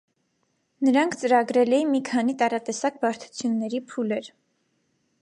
Նրանք ծրագրել էի մի քանի տարատեսակ բարդությունների փուլեր։